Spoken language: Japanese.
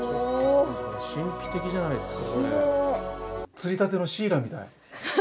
釣りたてのシイラみたい。